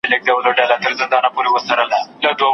زما توجه ور واړوله